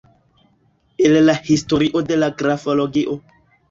El la historio de la grafologio.